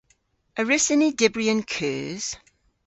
A wrussyn ni dybri an keus?